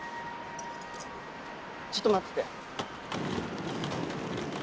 ちょっと待ってて。